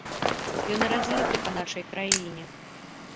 Ён разліты па нашай краіне.